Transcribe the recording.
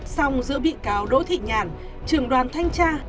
xong giữa bị kéo đối thị nhàn trường đoàn thanh tra